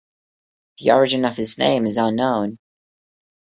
The origin of his name is unknown.